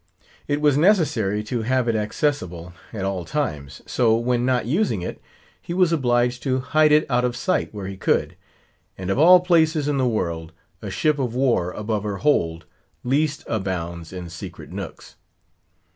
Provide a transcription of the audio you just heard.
It was necessary to have it accessible at all times. So when not using it, he was obliged to hide it out of sight, where he could. And of all places in the world, a ship of war, above her hold, least abounds in secret nooks.